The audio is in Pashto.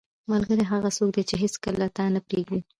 • ملګری هغه څوک دی چې هیڅکله تا نه پرېږدي.